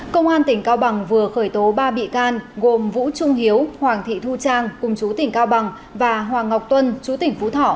công an tỉnh cao bằng vừa khởi tố ba bị can gồm vũ trung hiếu hoàng thị thu trang cùng chú tỉnh cao bằng và hoàng ngọc tuân chú tỉnh phú thọ